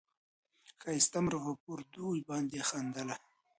ښایسته مرغه پر دوی باندي خندله